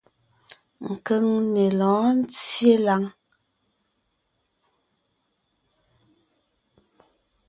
Keŋne lɔ̌ɔn ńtyê láŋ.